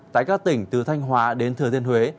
tại các tỉnh từ thanh hóa đến thừa thiên huế